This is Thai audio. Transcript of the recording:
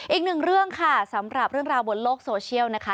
อีกหนึ่งเรื่องค่ะสำหรับเรื่องราวบนโลกโซเชียลนะคะ